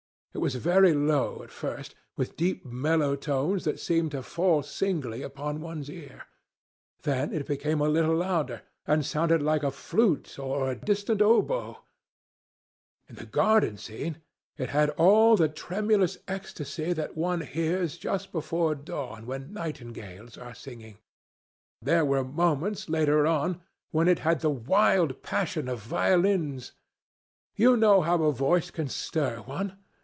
It was very low at first, with deep mellow notes that seemed to fall singly upon one's ear. Then it became a little louder, and sounded like a flute or a distant hautboy. In the garden scene it had all the tremulous ecstasy that one hears just before dawn when nightingales are singing. There were moments, later on, when it had the wild passion of violins. You know how a voice can stir one.